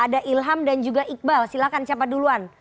ada ilham dan juga iqbal silahkan siapa duluan